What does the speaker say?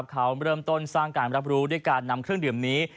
เขาเริ่มต้นสร้างการรับรู้ด้วยการนำเครื่องดื่มนี้